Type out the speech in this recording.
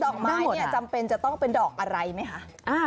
อกไม้เนี่ยจำเป็นจะต้องเป็นดอกอะไรไหมคะ